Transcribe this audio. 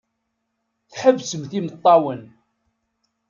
Tḥebsemt imeṭṭawen.